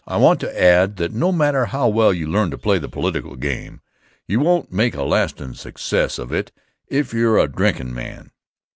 I want to add that no matter how well you learn to play the political game, you won't make a lastin' success of it if you're a drinkin' man.